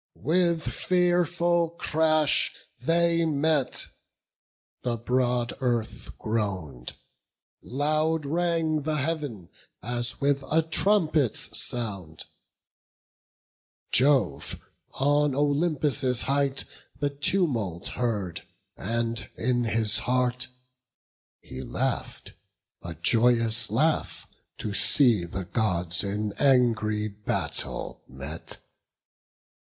With fearful crash they met: the broad Earth groan'd; Loud rang the Heav'n as with a trumpet's sound: Jove, on Olympus' height, the tumult heard, And in his heart he laugh'd a joyous laugh, To see the Gods in angry battle met.